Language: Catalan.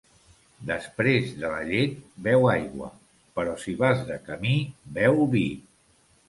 Després de la llet beu aigua, però si vas de camí beu vi.